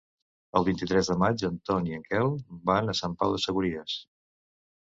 El vint-i-tres de maig en Ton i en Quel van a Sant Pau de Segúries.